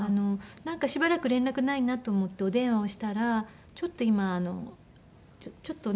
なんかしばらく連絡ないなと思ってお電話をしたらちょっと今病院に入ってるって聞いて。